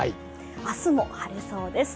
明日も晴れそうです。